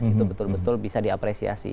itu betul betul bisa diapresiasi